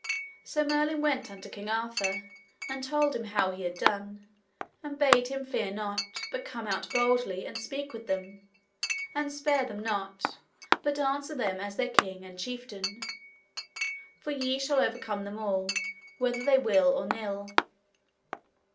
So Merlin went unto King Arthur, and told him how he had done, and bade him fear not, but come out boldly and speak with them, and spare them not, but answer them as their king and chieftain; for ye shall overcome them all, whether they will or nill.